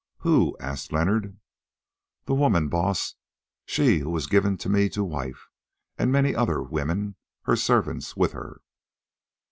"Who?" asked Leonard. "The woman, Baas: she who was given to me to wife, and many other women—her servants—with her.